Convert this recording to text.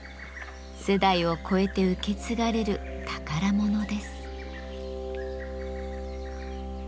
世代を超えて受け継がれる宝物です。